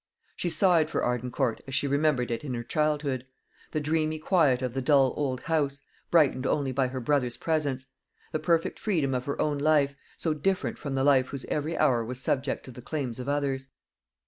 She sighed for Arden Court as she remembered it in her childhood the dreamy quiet of the dull old house, brightened only by her brother's presence; the perfect freedom of her own life, so different from the life whose every hour was subject to the claims of others.